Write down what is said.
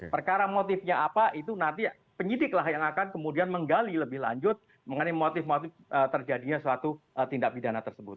perkara motifnya apa itu nanti penyidiklah yang akan kemudian menggali lebih lanjut mengenai motif motif terjadinya suatu tindak pidana tersebut